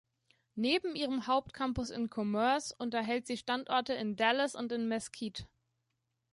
Neben ihrem Hauptcampus in Commerce, unterhält sie Standorte in Dallas und in Mesquite.